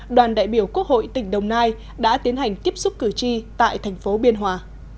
đoàn đại biểu quốc hội tỉnh đồng nai đã tiến hành tiếp xúc cử tri tại thành phố biên hòa